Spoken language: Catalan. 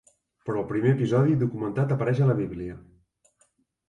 Però el primer episodi documentat apareix a la Bíblia.